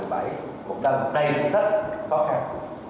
một năm đầy phương thất khó khăn